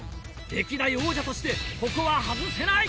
歴代王者としてここは外せない！